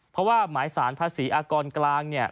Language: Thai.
เพราะว่าหมายสารภาษีอากรกลาง